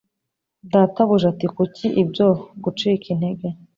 databuja ati Kuki ibyo gucika intege